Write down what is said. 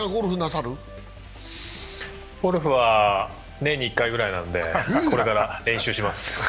年に１回くらいなのでこれから練習します。